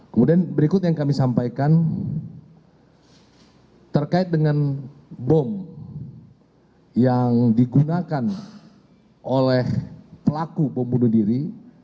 kemudian berikut yang kami sampaikan terkait dengan bom yang digunakan oleh pelaku bom bunuh diri